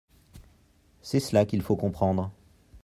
C’est cela qu’il faut comprendre.